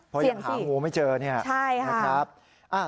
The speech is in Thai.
เพราะยังหางูไม่เจอเนี่ยนะครับ